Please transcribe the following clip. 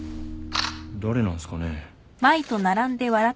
誰なんすかね？